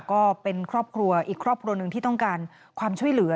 ก็เป็นครอบครัวอีกครอบครัวหนึ่งที่ต้องการความช่วยเหลือ